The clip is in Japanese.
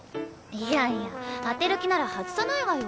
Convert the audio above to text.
いやいや当てる気なら外さないわよ。